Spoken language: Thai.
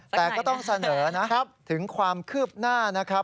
แต่ก็ต้องเสนอนะครับถึงความคืบหน้านะครับ